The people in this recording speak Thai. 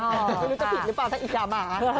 ไม่รู้จะผิดหรือเปล่าถ้าอิจฉาหมา